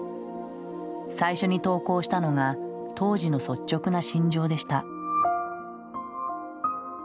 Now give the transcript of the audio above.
最初に投稿したのが当時の率直な心情でした。